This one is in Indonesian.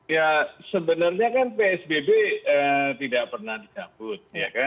ya sebenarnya kan psbb tidak pernah dicabut